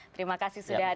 terima kasih sudah hadir